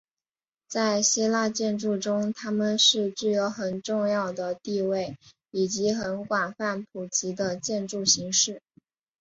在希腊建筑中他们是具有很重要的地位以及很广泛普及的建筑形式。